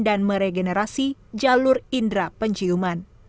dan meregenerasi jalur indera penciuman